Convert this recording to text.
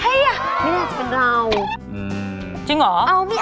จริงหรอเอาไม่เอาดีจะครบไม่ครบแอแฮแต่งเลย